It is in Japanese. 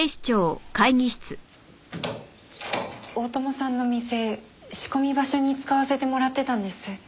大友さんの店仕込み場所に使わせてもらってたんです。